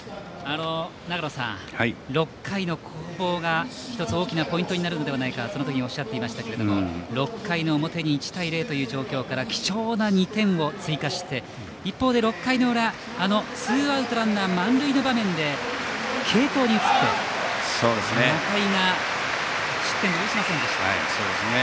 長野さん、６回の攻防が１つ、大きなポイントになるのではないかとおっしゃっていましたけど６回の表に１対０という状況から貴重な２点を追加して一方で、６回の裏ツーアウトランナー満塁の場面で継投に移って仲井が失点を許しませんでした。